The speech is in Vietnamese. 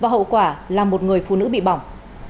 hậu quả là một người phụ nữ bị bỏng